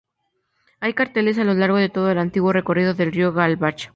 Hay carteles a lo largo de todo el antiguo recorrido del río Gladbach.